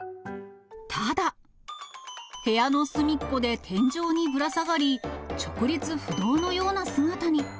ただ、部屋の隅っこで天井にぶら下がり、直立不動のような姿に。